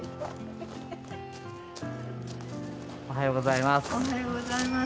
おはようございます。